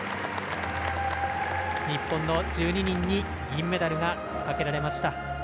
日本の１２人に銀メダルがかけられました。